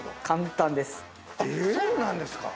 簡単です。